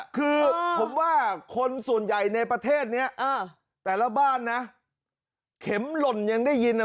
คือผมว่าคนส่วนใหญ่ในประเทศนี้แต่ละบ้านนะเข็มหล่นยังได้ยินอ่ะ